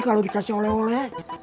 kalau dikasih oleh oleh